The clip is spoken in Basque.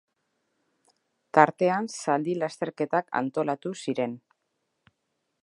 Tartean zaldi lasterketak antolatu ziren.